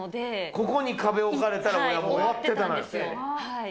ここに壁を置かれたら俺はもう終わってたのよ。